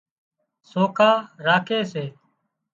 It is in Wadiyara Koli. سوکا راکي سي